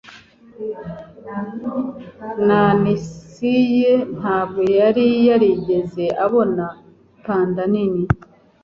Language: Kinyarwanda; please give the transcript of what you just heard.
Nancy ntabwo yari yarigeze abona panda nini.